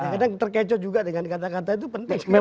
kadang terkecoh juga dengan kata kata itu penting